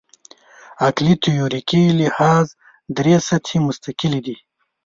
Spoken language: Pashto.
عقلي تیوریکي لحاظ درې سطحې مستقلې دي.